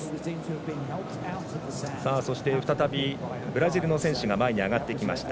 そして、再びブラジルの選手が前に上がってきました。